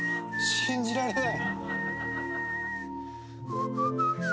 信じられない。